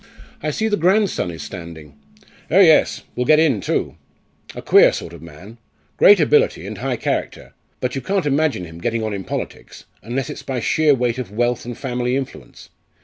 "I see the grandson is standing." "Oh yes; will get in too. A queer sort of man great ability and high character. But you can't imagine him getting on in politics, unless it's by sheer weight of wealth and family influence.